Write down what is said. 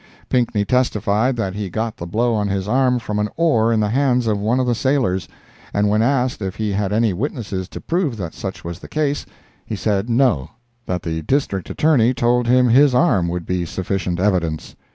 Pinkney testified that he got the blow on his arm from an oar in the hands of one of the sailors, and when asked if he had any witnesses to prove that such was the case, he said "No;" that the District Attorney told him his arm would be sufficient evidence!